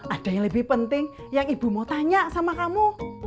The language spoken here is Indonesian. ada yang lebih penting yang ibu mau tanya sama kamu